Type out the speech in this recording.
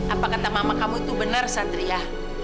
apa kata mama kamu itu benar satria